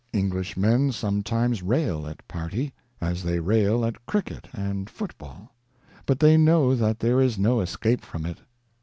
English men sometimes rail at party, as they rail at cricket and football, but they know that there is no escape from it.